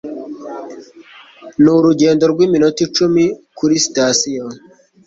Ni urugendo rw'iminota icumi kuri sitasiyo.